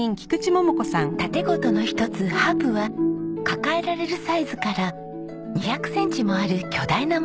竪琴の一つハープは抱えられるサイズから２００センチもある巨大なものまで。